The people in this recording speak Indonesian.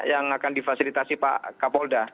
yang akan difasilitasi pak kapolda